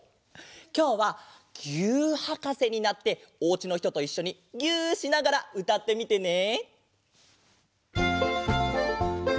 きょうは「ぎゅーっはかせ」になっておうちのひとといっしょにぎゅしながらうたってみてね！